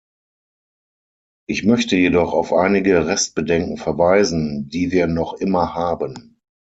Ich möchte jedoch auf einige Restbedenken verweisen, die wir noch immer haben.